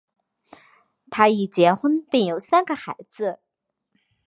他已经结婚并有三个孩子。